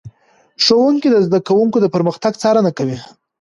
ښوونکي د زده کوونکو د پرمختګ څارنه کوي.